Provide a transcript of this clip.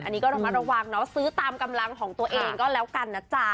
อันนี้ก็ระมัดระวังเนาะซื้อตามกำลังของตัวเองก็แล้วกันนะจ๊ะ